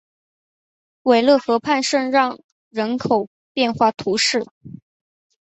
韦勒河畔圣让人口变化图示